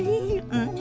うん。